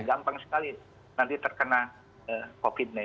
yang terlalu besar sekali nanti terkena covid sembilan belas